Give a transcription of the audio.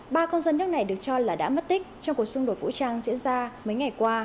ba công dân nước này được cho là đã mất tích trong cuộc xung đột vũ trang diễn ra mấy ngày qua